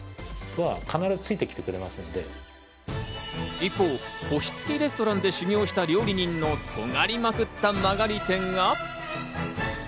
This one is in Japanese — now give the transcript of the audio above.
一方、星つきレストランで修業した料理人のとがりまくった間借り店が。